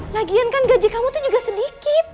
lagian kan gaji kamu itu juga sedikit